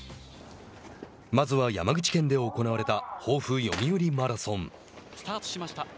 まずは山口県で行われた防府読売マラソン。